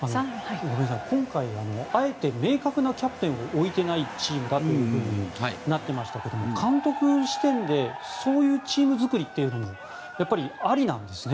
今回、あえて明確なキャプテンを置いていないチームだとなっていましたが監督視点でそういうチーム作りというのもありなんですね？